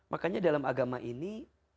makanya dalam agama ini